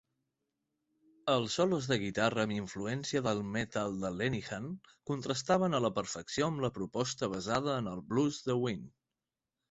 Els solos de guitarra amb influència del metal de Lenihan contrastaven a la perfecció amb la proposta basada en el blues de Wynn.